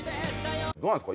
どうなんですか？